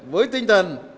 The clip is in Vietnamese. với tinh thần